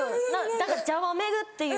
だからじゃわめぐっていう。